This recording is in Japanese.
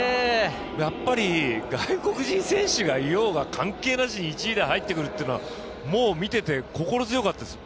やっぱり外国人選手がいようが関係なしに１位で入ってくるっていうのは見てて心強かったです。